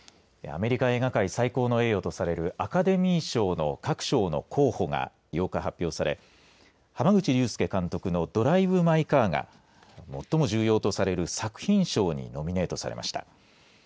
アメリカ映画界最高の栄誉とされるアカデミー賞の各賞の候補が８日、発表され濱口竜介監督のドライブ・マイ・カーが最も重要とされる作品賞にノミネートされました。